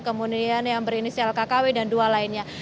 kemudian yang berinisial kkw dan dua lainnya